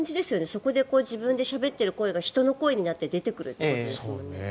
そこで自分でしゃべっている声が人の声で出てくるということですね。